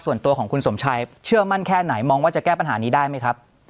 ส่วนตัวของคุณสมชัยเชื่อมั่นแค่ไหนมองว่าจะแก้ปัญหานี้ได้ไหมครับ